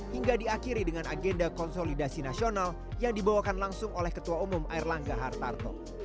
hingga diakhiri dengan agenda konsolidasi nasional yang dibawakan langsung oleh ketua umum air langga hartarto